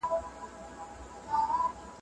زمانه د هر بدلون اصلي لامل بلل کيږي.